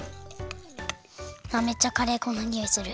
あっめっちゃカレー粉のにおいする。